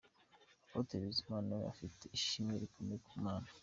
Apotre Bizimana ngo afite ishimwe rikomeye ku Mana.